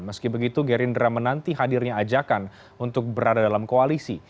meski begitu gerindra menanti hadirnya ajakan untuk berada dalam koalisi